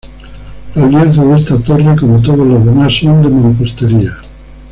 Los lienzos de esta torre, como todo lo demás, son de mampostería.